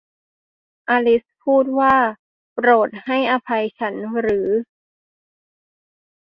อลิซพูดว่า โปรดให้อภัยฉันหรือ